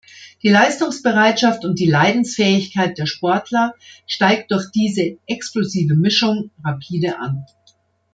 Die Leistungsbereitschaft und die Leidensfähigkeit der Sportler steigt durch diese "explosive Mischung" rapide an.